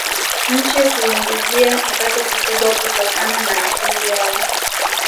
Nchi huiingizia kipato kikubwa kutokana na asili yao